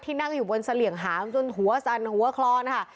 นั่งอยู่บนเสลี่ยงหามจนหัวสั่นหัวคลอนค่ะ